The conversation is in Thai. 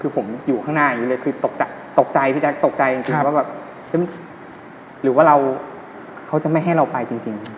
ผมอยู่ข้างหน้าอยู่เลยตกใจจริงว่าเขาจะไม่ให้เราไปจริง